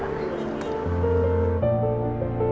maaf nggak pernah lihat